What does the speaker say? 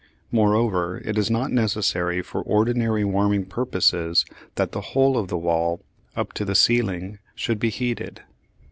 Moreover, it is not necessary for ordinary warming purposes that the whole of the wall, up to the ceiling, should be heated.